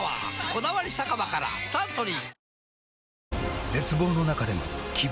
「こだわり酒場」からサントリー